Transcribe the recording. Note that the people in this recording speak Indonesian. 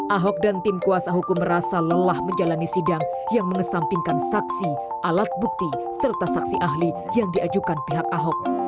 ahok dan tim kuasa hukum merasa lelah menjalani sidang yang mengesampingkan saksi alat bukti serta saksi ahli yang diajukan pihak ahok